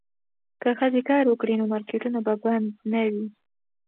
که ښځې کار وکړي نو مارکیټونه به بند نه وي.